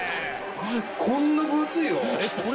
こんな分厚いよ。